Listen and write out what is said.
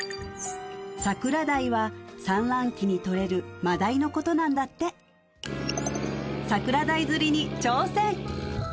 桜鯛は産卵期に取れるマダイのことなんだって桜鯛釣りに挑戦